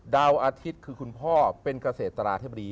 ดาวอาทิตย์คือคุณพ่อเป็นเกษตราธิบดี